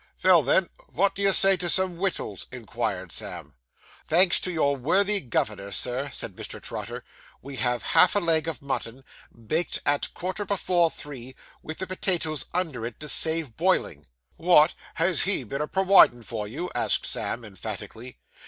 'Vell, then, wot do you say to some wittles?' inquired Sam. 'Thanks to your worthy governor, Sir,' said Mr. Trotter, 'we have half a leg of mutton, baked, at a quarter before three, with the potatoes under it to save boiling.' 'Wot! Has he been a purwidin' for you?' asked Sam emphatically.